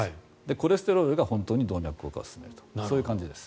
コレステロールが本当に動脈硬化を進めるというそういう感じです。